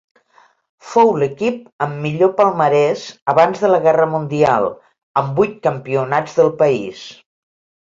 Fou l'equip amb millor palmarès abans de la Guerra Mundial amb vuit campionats del país.